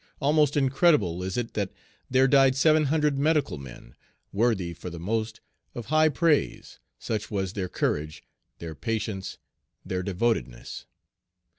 Almost incredible is it that there died seven hundred medical men, worthy, for the most, of high praise, such was their courage, their patience, their devotedness.